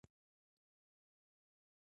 له خاورينو منګو سره پر ګودر راماتې شوې.